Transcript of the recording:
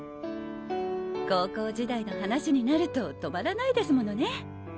高校時代の話になると止まらないですものね。